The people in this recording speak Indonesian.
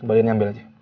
kebali ini ambil aja